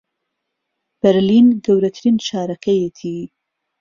بەرلین گەورەترین شارەکەیەتی